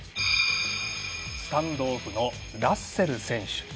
スタンドオフのラッセル選手。